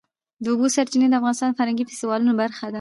د اوبو سرچینې د افغانستان د فرهنګي فستیوالونو برخه ده.